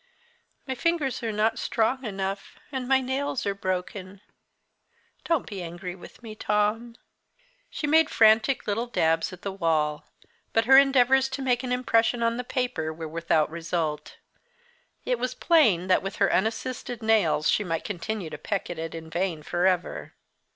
My fingers are not strong enough, and my nails are broken don't be angry with me, Tom." She made frantic little dabs at the wall. But her endeavours to make an impression on the paper were without result. It was plain that with her unassisted nails she might continue to peck at it in vain for ever.